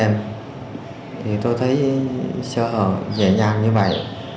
trên thêm tôi thấy sơ hở dễ dàng như vậy